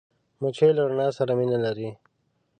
مچمچۍ له رڼا سره مینه لري